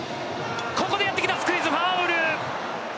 ここでやってきたスクイズファウル。